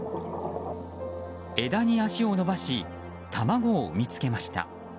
枝に足を伸ばし卵を産み付けました。